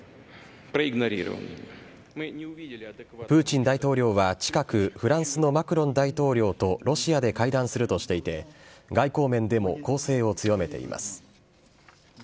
プーチン大統領は近く、フランスのマクロン大統領とロシアで会談するとしていて、外交面でも攻勢を強めています。